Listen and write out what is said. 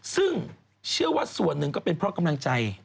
ซึ่งเชื่อว่าส่วนหนึ่งก็เป็นเพราะกำลังใจ